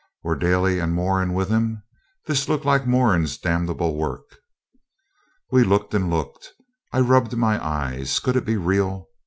Were Daly and Moran with him? This looked like Moran's damnable work. We looked and looked. I rubbed my eyes. Could it be real?